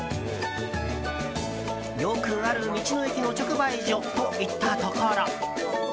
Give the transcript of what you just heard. よくある道の駅の直売所といったところ。